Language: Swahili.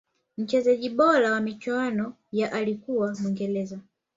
mchezaji bora wa michuano ya alikuwa mwingereza